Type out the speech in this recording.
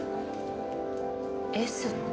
Ｓって。